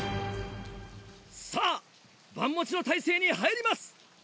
さぁ盤持ちの体勢に入ります！